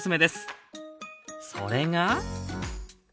それが。